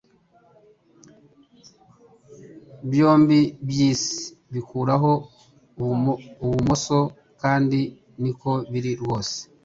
byombi byisi bikuraho Ibumoso kandi niko biri rwose